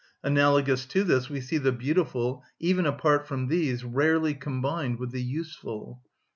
Analogous to this, we see the beautiful, even apart from these, rarely combined with the useful.